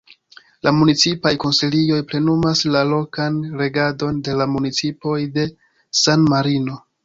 La Municipaj Konsilioj plenumas la lokan regadon de la municipoj de San-Marino.